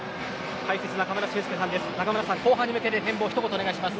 解説、中村俊輔さんです。